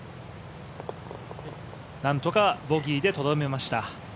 何とかボギーでとどめました。